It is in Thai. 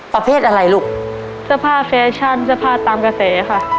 ประเภทอะไรลูกสภาษณ์แฟชันสภาษณ์ตามกาเศษค่ะ